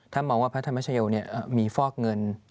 ถ้ามองว่าพระธรรมชโยมีฟอกเงิน